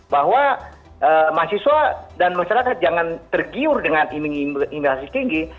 mahasiswa dan masyarakat jangan tergiur dengan intimidasi tinggi